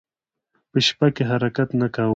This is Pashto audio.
په شپه کې حرکت نه کاوه.